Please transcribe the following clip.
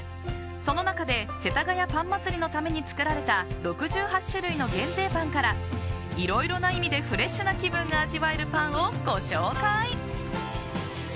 その中で世田谷パン祭りのために作られた６８種類の限定パンからいろいろな意味でフレッシュな気分が味わえるパンをご紹介。